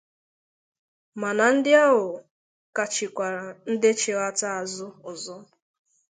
mana ndị ahụ kachikwara ndị chìghata azụ ọzọ.